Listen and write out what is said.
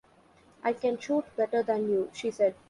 "I can shoot better than you," she said.